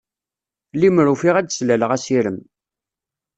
Limer ufiɣ ad d-slaleɣ asirem.